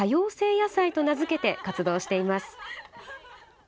野菜と名付けて活動しています。